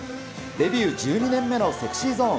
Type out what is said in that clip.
デビュー１２年目のＳｅｘｙＺｏｎｅ。